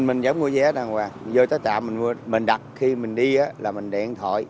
mình vẫn mua vé đàng hoàng vô tới trạm mình đặt khi mình đi là mình điện thoại